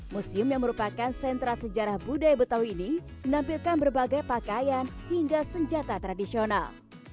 museum yang merupakan sentra sejarah budaya betawi ini menampilkan berbagai pakaian hingga senjata tradisional